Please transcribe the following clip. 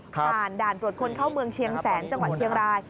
ด่านตรวจคนเข้าเมืองเชียงแสนจังหวัดเชียงราย